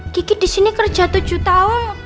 kiki disini kerja tujuh tahun